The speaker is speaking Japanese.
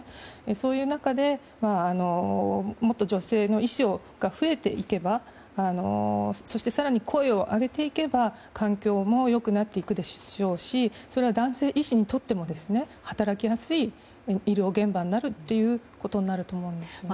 そういう中でもっと女性の医師が増えていけばそして更に声を上げていけば環境も良くなっていくでしょうしそれは男性医師にとっても働きやすい医療現場になると思うんですよね。